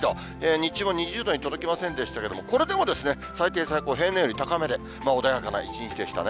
日中も２０度に届きませんでしたけれども、これでも最低、最高、平年より高めで穏やかな一日でしたね。